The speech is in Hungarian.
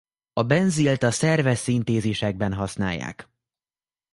A benzilt a szerves szintézisekben használják.